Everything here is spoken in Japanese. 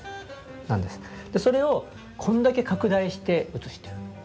それをこんだけ拡大して写してる。